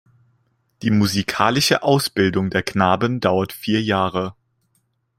Die musikalische Ausbildung der Knaben dauert vier Jahre.